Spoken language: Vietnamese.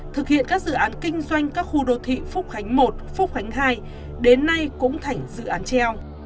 thực hiện các dự án kinh doanh các khu đô thị phúc khánh một phúc khánh hai đến nay cũng thành dự án treo